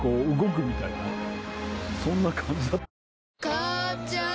母ちゃん